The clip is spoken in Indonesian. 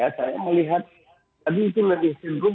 ya saya melihat tadi itu lebih sindrum